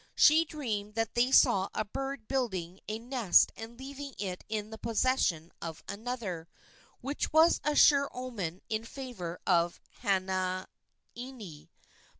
She dreamed that she saw a bird building a nest and leaving it in the possession of another, which was a sure omen in favor of Halaaniani.